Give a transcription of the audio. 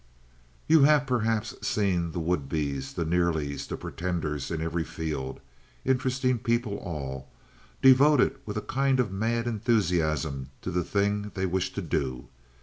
You have perhaps seen the would be's, the nearly's, the pretenders in every field—interesting people all—devoted with a kind of mad enthusiasm to the thing they wish to do.